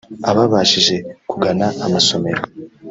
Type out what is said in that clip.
Ababashije kugana amasomero